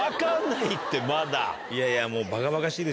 いやいや。